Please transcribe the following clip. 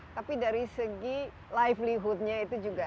tapi dari segi livelihood nya itu juga